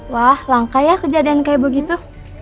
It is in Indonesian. wah langka ya kejadian kayak begitu